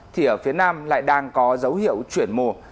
thì ở phía nam lại đang có dấu hiệu chuyển mùa